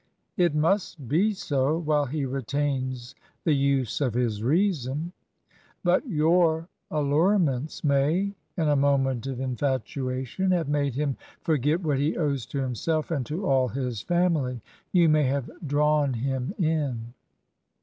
'It must be so while he retains the use of his reason. But your allure ments may, in a moment of infatuation, have made him forget what he owes to himself and to all his family. You may have drawn him in.'